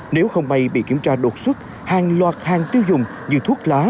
nếu không may bị kiểm tra đột xuất hàng loạt hàng tiêu dùng như thuốc lá